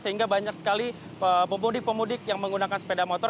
sehingga banyak sekali pemudik pemudik yang menggunakan sepeda motor